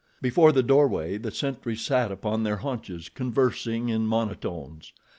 Before the doorway the sentries sat upon their haunches, conversing in monotones.